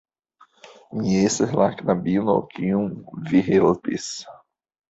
Mi estas la knabino kiun vi helpis